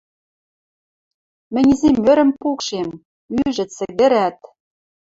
— Мӹнь изимӧрӹм пукшем! — ӱжӹт, сӹгӹрӓт.